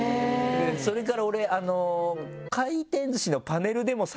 それから俺。